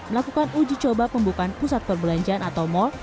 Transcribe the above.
melakukan uji coba pembukaan pusat perbelanjaan atau mal